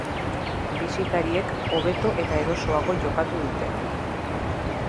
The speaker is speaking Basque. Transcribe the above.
Bisitariek hobeto eta erosoago jokatu dute.